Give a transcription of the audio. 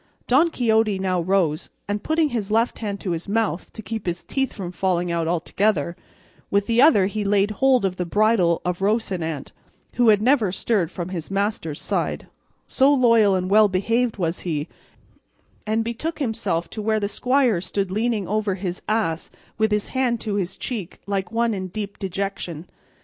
Don Quixote now rose, and putting his left hand to his mouth to keep his teeth from falling out altogether, with the other he laid hold of the bridle of Rocinante, who had never stirred from his master's side so loyal and well behaved was he and betook himself to where the squire stood leaning over his ass with his hand to his cheek, like one in deep dejection.